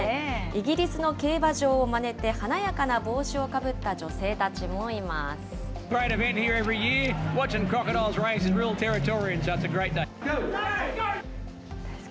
イギリスの競馬場をまねて、華やかな帽子をかぶった女性たちもいます。